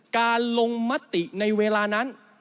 การลงมติในเวลานั้น